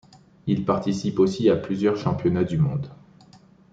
Il participe aussi à plusieurs championnats du monde.